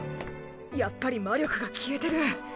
やっぱり魔力が消えてる。